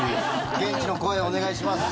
現地の声をお願いします。